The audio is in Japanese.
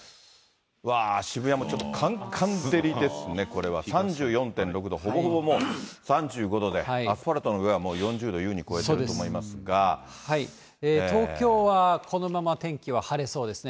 わー、渋谷もちょっとカンカン照りですね、これは、３４．６度、ほぼほぼもう３５度で、アスファルトの上は４０度優に超えてると思いま東京はこのまま天気は晴れそうですね。